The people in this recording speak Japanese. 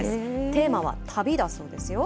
テーマは旅だそうですよ。